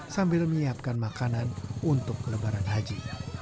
sambil menyiapkan makanan untuk lebaran haji